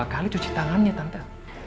mau berapa kali cuci tangannya tante